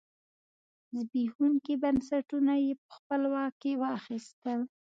زبېښونکي بنسټونه یې په خپل واک کې واخیستل.